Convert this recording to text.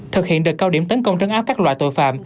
thực hiện đợt cao điểm tấn công trấn áp các loại tội phạm